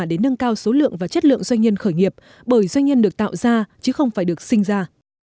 để nâng cao số lượng và chất lượng doanh nhân khởi nghiệp bởi doanh nhân được tạo ra chứ không phải được sinh ra